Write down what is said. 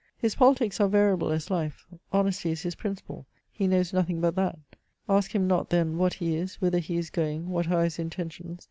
His politics are variable as life. Honesty is his principle. He knows nothing but that. Ask him not then what he is, whither he is going, what are his intentions.